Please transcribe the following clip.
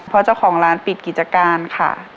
เพราะเจ้าของร้านปิดกิจการค่ะ